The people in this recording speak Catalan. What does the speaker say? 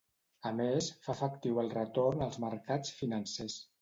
A més, fa efectiu el retorn als mercats financers.